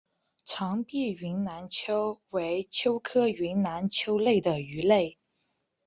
长臀云南鳅为鳅科云南鳅属的鱼类。